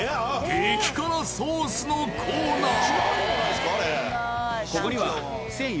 激辛ソースのコーナー